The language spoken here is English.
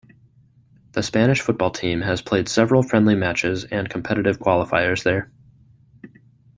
The Spanish football team has played several friendly matches and competitive qualifiers there.